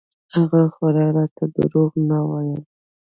هغه خو راته دروغ نه ويل.